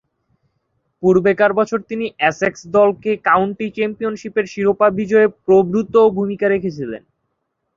পূর্বেকার বছর তিনি এসেক্স দলকে কাউন্টি চ্যাম্পিয়নশীপের শিরোপা বিজয়ে প্রভূতঃ ভূমিকা রেখেছিলেন।